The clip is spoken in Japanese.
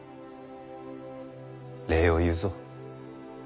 礼を言うぞ。